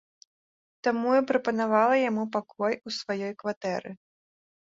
Таму я прапанавала яму пакой у сваёй кватэры.